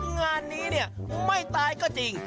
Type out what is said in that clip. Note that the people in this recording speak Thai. งานนี้เนี่ยไม่ตายก็จริง